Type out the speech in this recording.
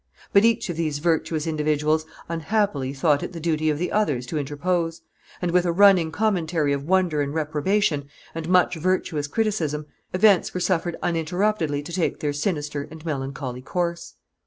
But each of these virtuous individuals unhappily thought it the duty of the others to interpose; and with a running commentary of wonder and reprobation, and much virtuous criticism, events were suffered uninterruptedly to take their sinister and melancholy course.